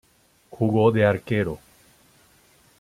Jugó de arquero.